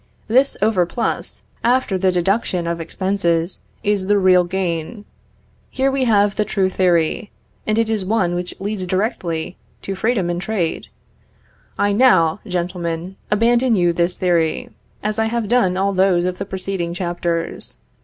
This overplus, after the deduction of expenses, is the real gain. Here we have the true theory, and it is one which leads directly to freedom in trade. I now, gentlemen, abandon you this theory, as I have done all those of the preceding chapters.